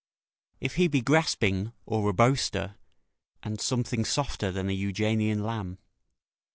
["If he be grasping, or a boaster, and something softer than an Euganean lamb."